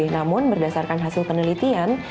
namun berdasarkan hasil penelitian